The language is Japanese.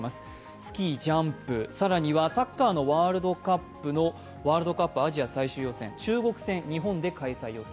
スキージャンプ、更にはサッカーのワールドカップのワールドカップアジア最終予選中国戦、日本で開催予定。